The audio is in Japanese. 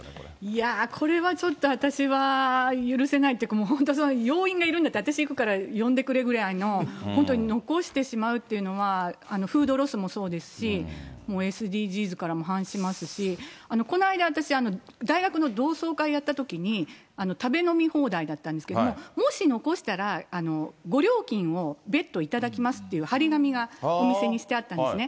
いやー、これはちょっと私は許せないというか、本当、要員がいるんだったら私行くから、呼んでくれぐらいの、本当に残してしまうっていうのは、フードロスもそうですし、もうＳＤＧｓからも反しますし、この間、私、大学の同窓会やったときに、食べ飲み放題だったんですけれども、もし残したら、ご料金を別途頂きますという張り紙が、お店にしてあったんですね。